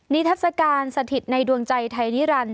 ทัศกาลสถิตในดวงใจไทยนิรันดิ